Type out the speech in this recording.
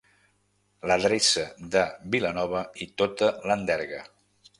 L'adreça de Vilanova i tota l'enderga.